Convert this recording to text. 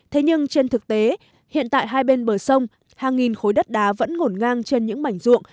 thế nhưng trên thực tế hiện tại hai bên bờ sông hàng nghìn khối đất đá vẫn ngổn ngang trên những mảnh ruộng